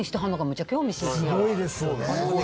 すごいですよね。